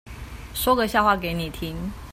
說個笑話給你聽